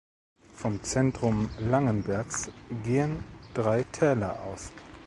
Vom Zentrum Langenbergs gehen drei Täler aus.